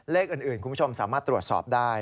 เลขอื่นคุณผู้ชมสามารถตรวจสอบได้